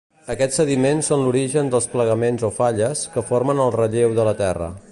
Aquests sediments són l'origen dels plegaments o falles, que formen el relleu de la Terra.